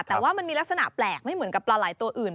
แต่ว่ามันมีลักษณะแปลกไม่เหมือนกับปลาไหล่ตัวอื่น